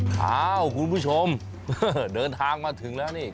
คุณผู้ชมเดินทางมาถึงแล้วนี่